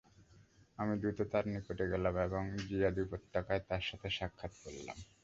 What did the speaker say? আমি দ্রুত তাঁর নিকট গেলাম এবং জিয়াদ উপত্যকায় তাঁর সাথে সাক্ষাৎ করলাম।